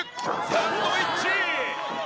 サンドイッチ！